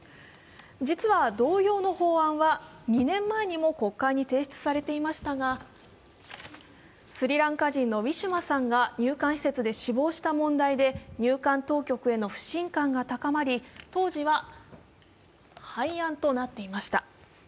実は同様の法案は２年前にも国会に提出されていましたが、スリランカ人のウィシュマさんが入管施設で死亡した問題で入管当局への不信感が高まり、当時は廃案となっていました。